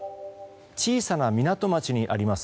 小さな港町にあります